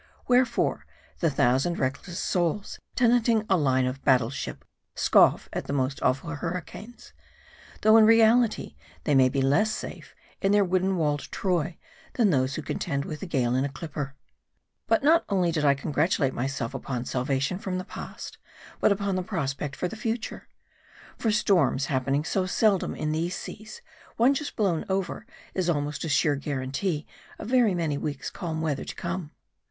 Wherefore, the thousand reckless souls tenanting a line of battle ship scoff at the most awful hurricanes ; though, in reality, they may be less safe in their wooden walled Troy, than those who contend with the gale in a clipper. But not only did I congratulate myself upon salvation from the past, but upon the prospect for the future. For storms happening so seldom in these seas, one just blown over is almost a sure guarantee of very many weeks' calm weather to come.